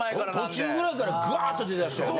途中ぐらいからぐわっと出だしたよね。